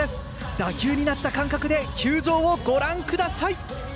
打球になった感覚で球場をご覧ください。